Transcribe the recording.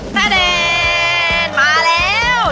ถ้าดาาาาาาาาาามาแล้วววววว